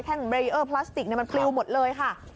เบรเออร์พลาสติกมันปลิวหมดเลยค่ะ